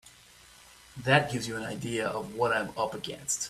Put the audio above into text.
That gives you an idea of what I'm up against.